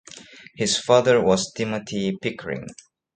His father was Timothy Pickering.